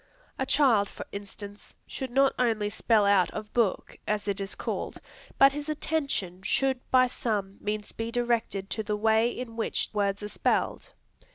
A child, for instance, should not only "spell out of book," as it is called, but his attention should by some means be directed to the way in which words are spelled.